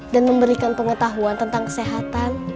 dan memberikan pengetahuan tentang kesehatan